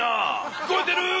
きこえてる？